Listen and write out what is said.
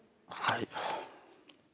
はい。